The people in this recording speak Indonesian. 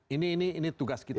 ini ini ini tugas kita